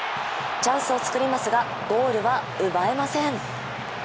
チャンスを作りますがゴールは奪えません。